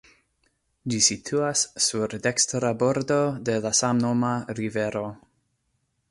Ĝi situas sur dekstra bordo de la samnoma rivero.